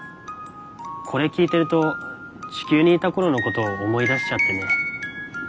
これ聴いてると地球にいた頃のことを思い出しちゃってね。